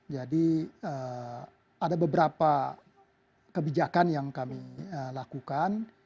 jadi ada beberapa kebijakan yang kami lakukan